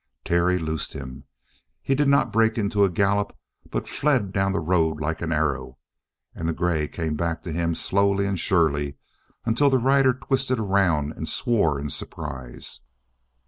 Terry loosed him. He did not break into a gallop, but fled down the road like an arrow, and the gray came back to him slowly and surely until the rider twisted around and swore in surprise.